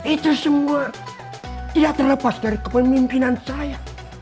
itu semua tidak terlepas dari kepemimpinan saya